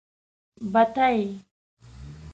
بتۍ.